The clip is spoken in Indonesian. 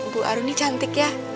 bu aruni cantik ya